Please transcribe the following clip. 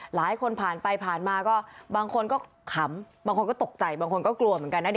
หลายคนผ่านไปผ่านมาก็บางคนก็ขำบางคนก็ตกใจบางคนก็กลัวเหมือนกันนะ